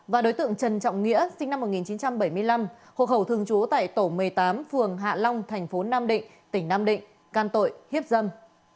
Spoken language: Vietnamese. và đối tượng trần trọng nghĩa sinh năm một nghìn chín trăm bảy mươi năm hộ khẩu thường trú tại tổ một mươi tám phường hạ long thành phố nam định tỉnh nam định can tội hiếp dâm